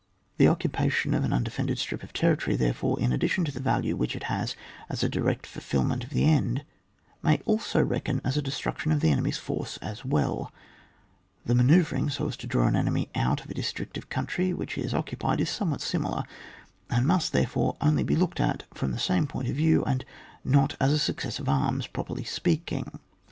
The occupation of an undefended strip of territory, therefore, in addition to the ysdue which it has as a direct fulfilment of the end, may also reckon as a destrao tion of the enemy's force as welL The manoeuyring, so as to draw an enemy out of a district of coimtry which he has occupied, is somewhat similar, and must, therefore, only be looked at from the same point of yiew, and not as a success of arms, properly speaking.